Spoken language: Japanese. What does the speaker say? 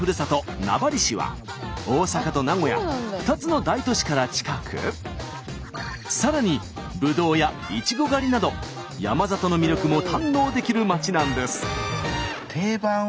名張市は大阪と名古屋２つの大都市から近くさらにぶどうやいちご狩りなど山里の魅力も堪能できる町なんです。